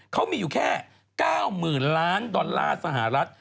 เขามีอยู่แค่๙๐๐๐ล้านดอลลาร์สหรัฐ